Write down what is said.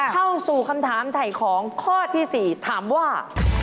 เข้าสู่คำถามถ่ายของข้อที่๔ถามว่า